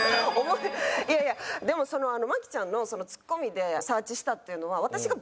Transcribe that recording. いやいやでもその麻貴ちゃんのツッコミでサーチしたっていうのは私がボケた事やったんですよ。